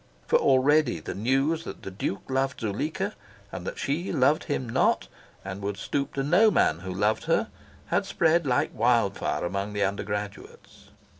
For already the news that the Duke loved Zuleika, and that she loved him not, and would stoop to no man who loved her, had spread like wild fire among the undergraduates.